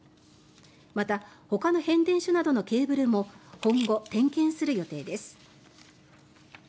また、ほかの変電所などのケーブルも今後点検する予定です。